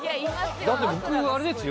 だって僕あれですよ。